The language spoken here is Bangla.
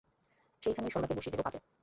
সেইখানেই সরলাকে বসিয়ে দেব কাজে।